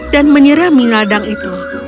dan mereka menyeramkan pupuk itu